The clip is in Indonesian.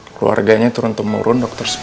keluarganya turun temurun dokter